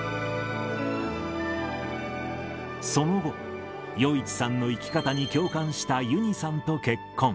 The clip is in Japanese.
その後、余一さんの生き方に共感したゆにさんと結婚。